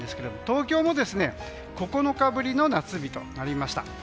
東京も９日ぶりの夏日となりました。